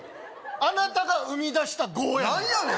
あなたが生み出した５やねん何やねん！？